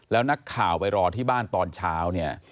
แล้วนักข่าวไปรอที่บ้านตอนเช้าเนี่ย